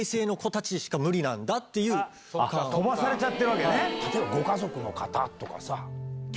飛ばされちゃってるわけね。